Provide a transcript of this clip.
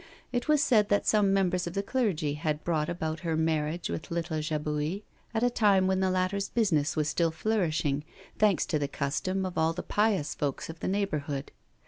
It was said that some members of the clergy had brought about her marriage with little Jabouille, at a time when the latter's business was still flourishing, thanks to the custom of all the pious folk of the neighbourhood.